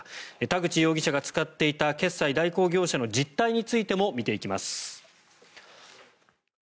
田口容疑者が使っていた決済代行業者の実態についても見ていきます。